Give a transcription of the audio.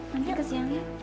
nanti ke siang ya